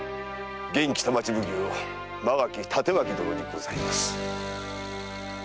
現北町奉行間垣帯刀殿にございます。